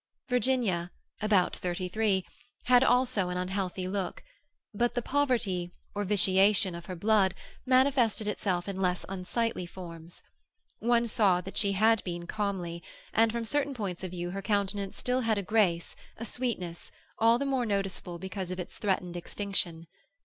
Virginia (about thirty three) had also an unhealthy look, but the poverty, or vitiation, of her blood manifested itself in less unsightly forms. One saw that she had been comely, and from certain points of view her countenance still had a grace, a sweetness, all the more noticeable because of its threatened extinction.